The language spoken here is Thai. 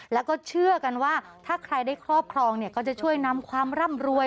แล้วก็เชื่อกันว่าถ้าใครได้ครอบครองเนี่ยก็จะช่วยนำความร่ำรวย